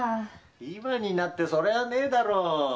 今になってそれはねえだろう